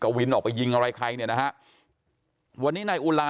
วินออกไปยิงอะไรใครเนี่ยนะฮะวันนี้นายอุลา